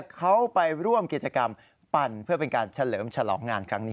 เขาไปร่วมกิจกรรมปั่นเพื่อเป็นการเฉลิมฉลองงานครั้งนี้